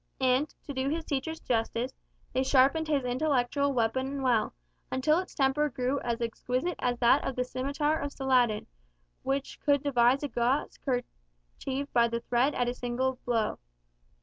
And, to do his teachers justice, they sharpened his intellectual weapon well, until its temper grew as exquisite as that of the scimitar of Saladin, which could divide a gauze kerchief by the thread at a single blow.